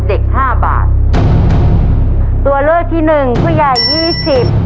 ห้าบาทตัวเลือกที่หนึ่งผู้ใหญ่ยี่สิบ